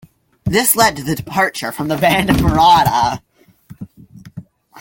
This led to the departure from the band of Marotta.